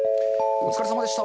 お疲れさまでした。